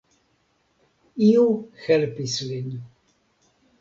Iu helpis lin.